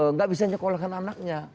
nggak bisa nyekolahkan anaknya